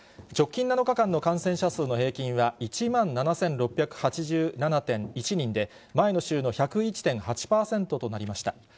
直近７日間の感染者数の平均は、１万７６８７．１人で、前の週の１０１．８％となりました。